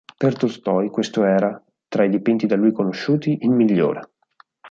Per Tolstoj questo era, tra i dipinti da lui conosciuti, il migliore.